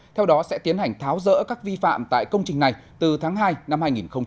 theo đó sẽ tiến hành tháo rỡ các vi phạm tại công trình này từ tháng hai năm hai nghìn hai mươi